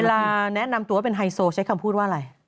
เวลาแนะนำตัวว่าเป็นไฮโซใช้คำพูดว่าอะไร